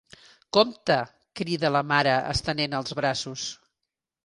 Compte! —crida la mare estenent els braços.